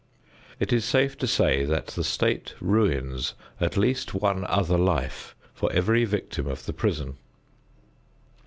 It is safe to say that the state ruins at least one other life for every victim of the prison.